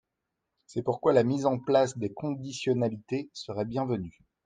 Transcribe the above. C’est pourquoi la mise en place de conditionnalités serait bienvenue.